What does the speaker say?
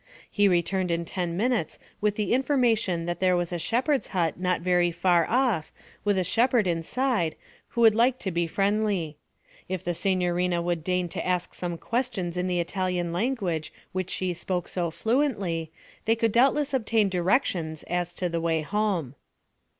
He returned in ten minutes with the information that there was a shepherd's hut not very far off with a shepherd inside who would like to be friendly. If the signorina would deign to ask some questions in the Italian language which she spoke so fluently, they could doubtless obtain directions as to the way home.